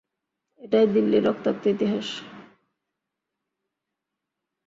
এটাই দিল্লির রক্তাক্ত ইতিহাস।